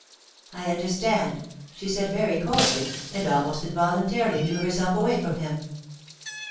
* I understand,' she said very coldly, and almost involun tarily drew herself away from him.